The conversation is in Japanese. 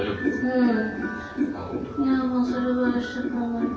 うん。